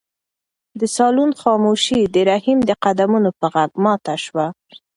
د صالون خاموشي د رحیم د قدمونو په غږ ماته شوه.